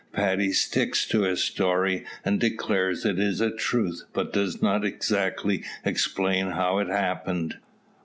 Paddy sticks to his story, and declares it is a truth, but does not exactly explain how it happened."